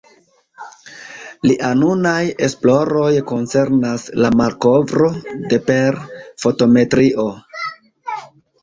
Lia nunaj esploroj koncernas la malkovro de per fotometrio.